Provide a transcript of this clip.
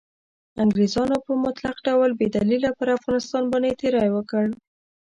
انګریزانو په مطلق ډول بې دلیله پر افغانستان باندې تیری وکړ.